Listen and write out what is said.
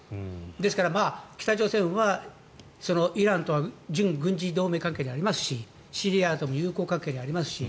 ですから、北朝鮮はイランとは準軍事同盟関係にありますしシリアとも友好関係もありますし